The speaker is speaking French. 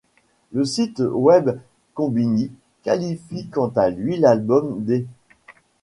Le site web Konbini qualifie quant à lui l’album d'.